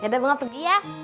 ya udah bu gak pergi ya